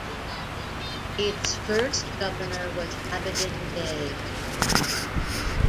Its first governor was Abidin Bey.